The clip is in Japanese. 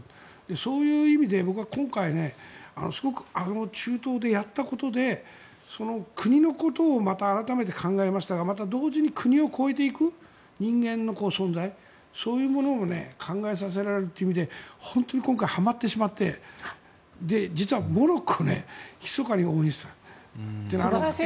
そういう意味で僕は今回すごく中東でやったことでその国のことをまた改めて考えましたがまた同時に国を超えていく人間の存在そういうものを考えさせられるというので本当に今回はまってしまって実は、モロッコ素晴らしいチームでした。